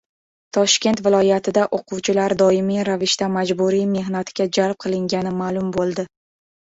Toshkent viloyatida o‘quvchilar doimiy ravishda majburiy mehnatga jalb qilingani ma'lum bo‘ldi